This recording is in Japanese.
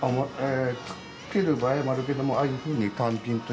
つける場合もあるけどもああいうふうに単品として売って。